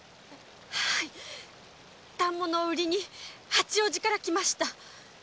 はい反物を売りに八王子から来ました。